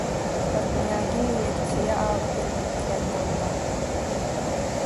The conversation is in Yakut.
Портнягин лекция ааҕа кэлбит диэн буолла